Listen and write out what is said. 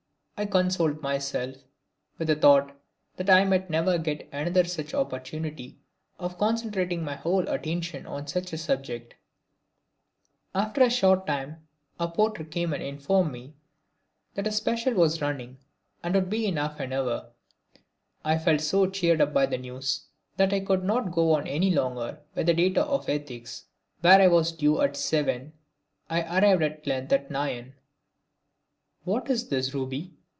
I consoled myself with the thought that I might never get another such opportunity of concentrating my whole attention on such a subject. After a short time a porter came and informed me that a special was running and would be in in half an hour. I felt so cheered up by the news that I could not go on any longer with the Data of Ethics. Where I was due at seven I arrived at length at nine. "What is this, Ruby?"